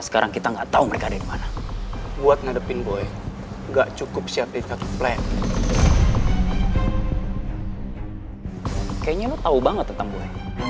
kayaknya lo tau banget tentang gue